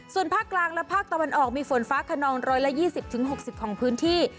ส่วนภาคกลางและภาคตะวันออกมีฝนฟ้าขนอง๑๒๐๖๐ของพื้นที่